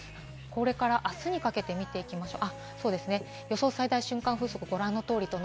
これからあすにかけて見ていきましょう。